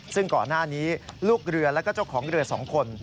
ซึ่งก่อนหน้านี้ลูกเรือแล้วก็เจ้าของเรือ๒คน